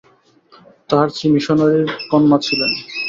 তাঁহার স্ত্রী মিশনরির কন্যা ছিলেন।